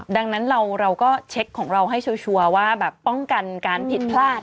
ดังนั้นเราก็เช็คของเราให้ชัวร์ว่าแบบป้องกันการผิดพลาด